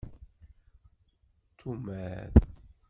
Tumar.